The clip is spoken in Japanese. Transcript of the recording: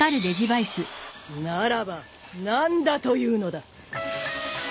ならば何だというのだ。